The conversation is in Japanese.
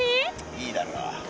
いいだろう。